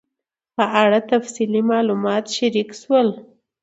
په اړه تفصیلي معلومات شریک سول